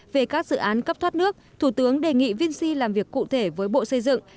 về các dự án cấp thoát nước thủ tướng đề nghị vinci làm việc cụ thể với bộ xây dựng